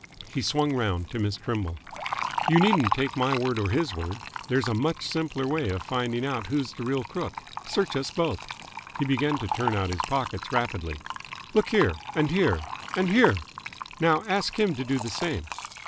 He swung round to Miss Trimble. "You needn't take my word or his word. There's a much simpler way of finding out who's the real crook. Search us both." He began to turn out his pockets rapidly. "Look here and here and here! Now ask him to do the same!"